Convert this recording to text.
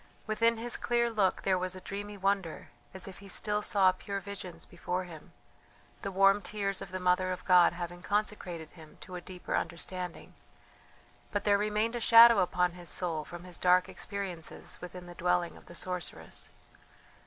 Within his clear look there was a dreamy wonder as if he still saw pure visions before him, the warm tears of the Mother of God having consecrated him to a deeper understanding. But there remained a shadow upon his soul from his dark experiences within the dwelling of the sorceress.